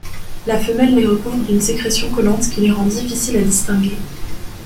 La femelle les recouvre d'une sécrétion collante qui la rend difficile à distinguer.